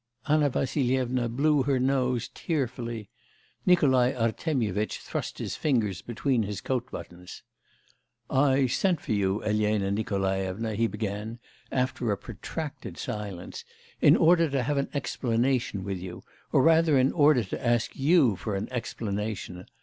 Anna Vassilyevna blew her nose tearfully. Nikolai Artemyevitch thrust his fingers between his coat buttons. 'I sent for you, Elena Nikolaevna,' he began after a protracted silence, 'in order to have an explanation with you, or rather in order to ask you for an explanation.